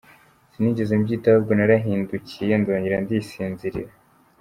Sinigeze mbyitaho ahubwo narahindukiye ndongera ndisinzirira.